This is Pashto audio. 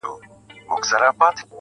لا به په تا پسي ژړېږمه زه_